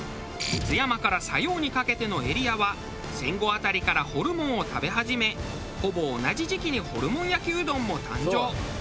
津山から佐用にかけてのエリアは戦後辺りからホルモンを食べ始めほぼ同じ時期にホルモン焼きうどんも誕生。